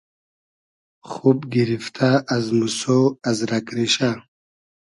خوب گیریفتۂ از موسۉ از رئگ ریشۂ